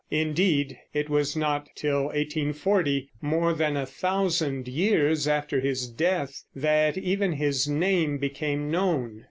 Indeed, it was not till 1840, more than a thousand years after his death, that even his name became known.